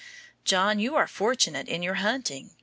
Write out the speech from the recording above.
] John, you were fortunate in your hunting.